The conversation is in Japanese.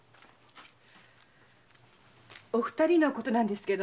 お二人のことなんですけど。